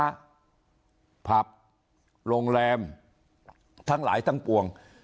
ร้านค้าผับโรงแรมทั้งหลายทั้งปวง